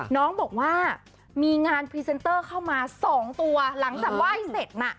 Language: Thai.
น้องบอกว่ามีงานพรีเซนเตอร์เข้ามาสองตัวหลังจากไหว้เสร็จน่ะ